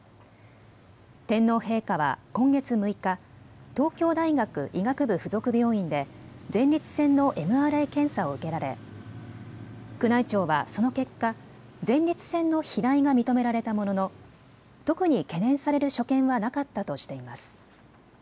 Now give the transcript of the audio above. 天皇陛下は今月６日、東京大学医学部附属病院で前立腺のＭＲＩ検査を受けられ宮内庁はその結果、前立腺の肥大が認められたものの特に懸念される所見はなかったとしています。